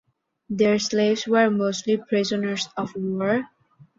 Their slaves were mostly prisoners of war.